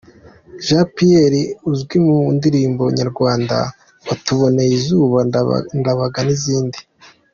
Jean Pierre H azwi mu ndirimbo nka ‘Rwanda Watuboneye Izuba’, ‘Ndabaga’ n’izindi.